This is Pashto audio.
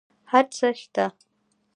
هر څه شته